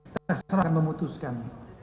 tidak serah memutuskan